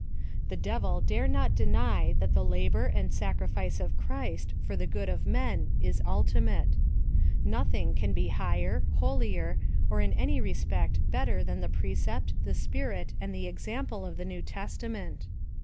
The devil dare not deny that the labor and sacrifice of Christ for the good of men is ultimate. Nothing can be higher, liolier, or in any respect better than the precept, the spirit, PLAN OF SALVATION. 281 and the example of the New Testament.